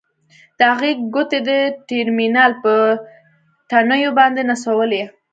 د هغه ګوتې د ټرمینل په تڼیو باندې نڅولې